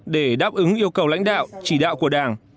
để đáp ứng yêu cầu lãnh đạo chỉ đạo của đảng